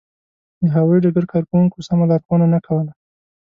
د هوایي ډګر کارکوونکو سمه لارښوونه نه کوله.